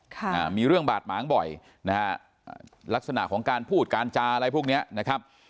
อ่ามีเรื่องบาดหมางบ่อยนะฮะลักษณะของการพูดการจาอะไรพวกเนี้ยนะครับ